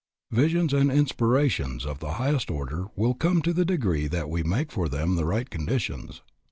Visions and inspirations of the highest order will come in the degree that we make for them the right conditions.